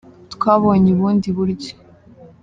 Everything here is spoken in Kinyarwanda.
Twabonye ubundi buryo